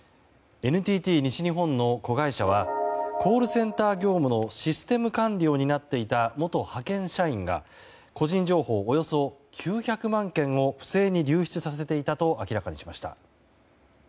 ＮＴＴ西日本の子会社はコールセンター業務のシステム管理を担っていた元派遣社員が個人情報およそ９００万件を不正に流出させていたと明らかにしました。